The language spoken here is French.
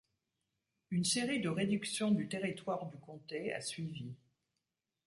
Une série de réductions du territoire du comté a suivi.